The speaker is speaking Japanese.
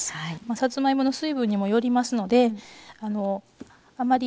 さつまいもの水分にもよりますのであまり